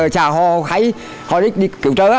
chà họ thấy họ đi kiếm trợ